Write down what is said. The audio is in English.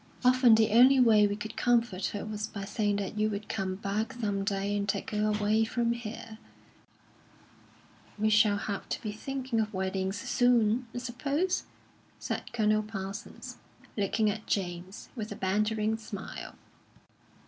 "Often the only way we could comfort her was by saying that you would come back some day and take her away from here." "We shall have to be thinking of weddings soon, I suppose?" said Colonel Parsons, looking at James, with a bantering smile.